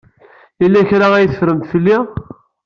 Yella kra ay teffremt fell-i.